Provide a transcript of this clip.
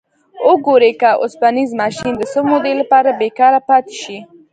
وګورئ که اوسپنیز ماشین د څه مودې لپاره بیکاره پاتې شي.